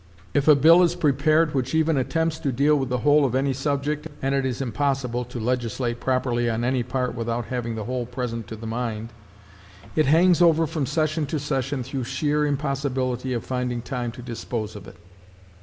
If a bill is prepared which even attempts to deal with the whole of any subject (and it is impossible to legislate properly on any part without having the whole present to the mind), it hangs over from session to session through sheer impossibility of finding time to dispose of it.